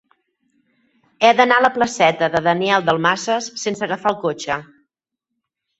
He d'anar a la placeta de Daniel Dalmases sense agafar el cotxe.